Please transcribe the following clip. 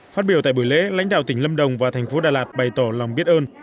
phát biểu tại buổi lễ lãnh đạo tỉnh lâm đồng và thành phố đà lạt bày tỏ lòng biết ơn